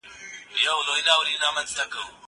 زه اوس کتابتون ته ځم!!